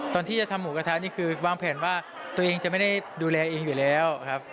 ตอนที่จะทำหมูกระทะนี่คือวางแผนว่าตัวเองจะไม่ได้ดูแลเองอยู่แล้วครับ